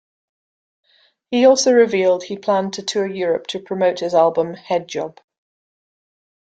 He also revealed he planned to tour Europe to promote his album "Head Job".